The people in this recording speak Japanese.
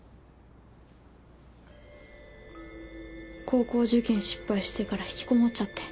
高校受験失敗してから引きこもっちゃって。